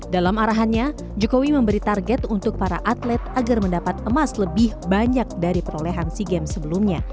dalam arahannya jokowi memberi target untuk para atlet agar mendapat emas lebih banyak dari perolehan sea games sebelumnya